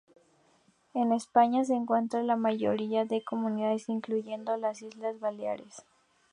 En España se encuentra en la mayoría de comunidades, incluyendo las islas Baleares.